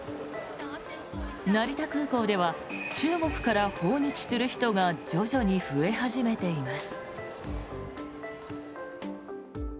成田空港では中国から訪日する人が徐々に増え始めています。